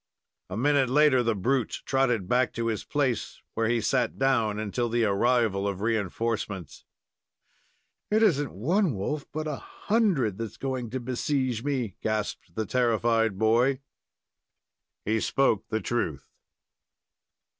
A minute later, the brute trotted back to his place, where he sat down until the arrival of reinforcements. "It isn't one wolf, but a hundred, that going to besiege me!" gasped the terrified boy. He spoke the truth.